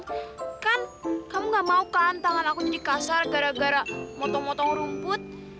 kan kamu gak mau kan tangan aku jadi kasar gara gara motong motong rumput